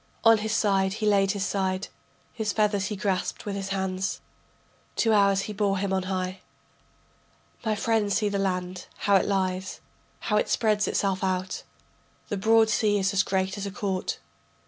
On his side he laid his side, His feathers he grasped with his hands. Two hours he bore him on high. My friend see the land, how it lies, How it spreads itself out. The broad sea is as great as a court.